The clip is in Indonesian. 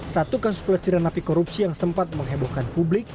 satu kasus pelestiran nafi korupsi yang sempat menghebohkan publik